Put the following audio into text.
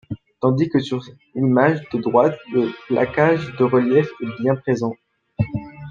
Tandis que sur l'image de droite, le placage de relief est bien présent.